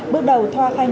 bước đầu thoa khai nhận